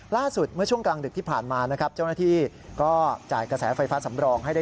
ล่าสุดเมื่อช่วงกลางดึกที่ผ่านมานะครับ